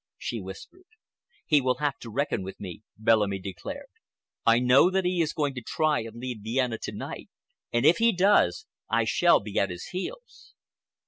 she whispered. "He will have to reckon with me," Bellamy declared. "I know that he is going to try and leave Vienna to night, and if he does I shall be at his heels."